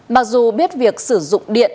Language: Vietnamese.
mặc dù biết việc sử dụng điện